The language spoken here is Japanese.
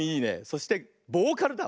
そしてボーカルだ。